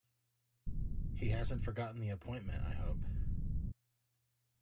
He hasn't forgotten the appointment, I hope?